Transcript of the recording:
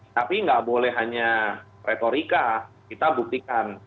tapi tidak boleh hanya retorika kita buktikan